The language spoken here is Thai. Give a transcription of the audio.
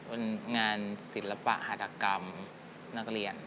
เป็นงานศิลปะหัตกรรมนักเรียน